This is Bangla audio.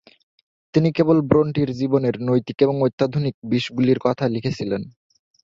তিনি কেবল ব্রোন্টির জীবনের নৈতিক এবং অত্যাধুনিক বিষগুলির কথা লিখেছিলেন।